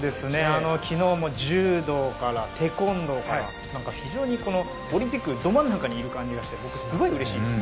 昨日も柔道からテコンドーから非常にオリンピックど真ん中にいる感じがしてすごいうれしいです。